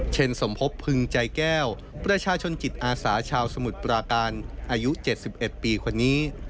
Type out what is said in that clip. สมพบพึงใจแก้วประชาชนจิตอาสาชาวสมุทรปราการอายุ๗๑ปีคนนี้